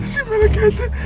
siapa lagi itu